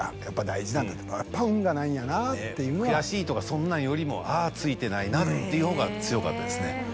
悔しいとかそんなんよりもあぁツイてないなっていう方が強かったですね。